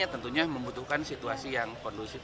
tentunya membutuhkan situasi yang kondusif